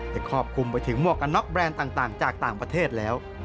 ครอบคลุมไปถึงหมวกกันน็อกแรนด์ต่างจากต่างประเทศแล้ว